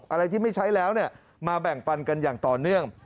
อะไรที่ไม่ใช้แล้วมาแบ่งปันกันอย่างต่อเนื่อง